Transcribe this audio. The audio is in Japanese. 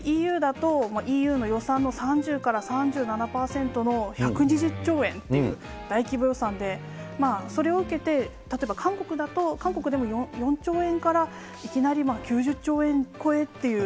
ＥＵだと、ＥＵの予算の３０から３７％の１２０兆円っていう大規模予算で、それを受けて例えば韓国だと、韓国でも４兆円から、いきなり９０兆円超えっていう。